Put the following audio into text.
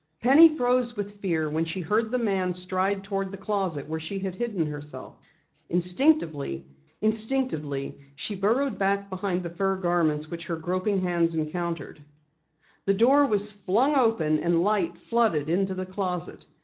Penny froze with fear when she heard the man stride toward the closet where she had hidden herself. Instinctively, she burrowed back behind the fur garments which her groping hands encountered. The door was flung open and light flooded into the closet.